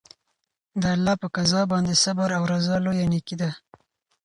د الله په قضا باندې صبر او رضا لویه نېکي ده.